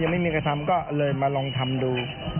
ไม่มีใครทำก็เลยมาลองทำดู